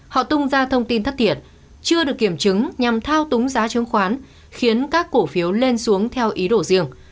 họ tung ra thông tin thất thiệt chưa được kiểm chứng nhằm thao túng giá chứng khoán khiến các cổ phiếu lên xuống theo ý đồ riêng